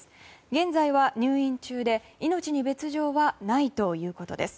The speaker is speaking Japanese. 現在は入院中で命に別条はないということです。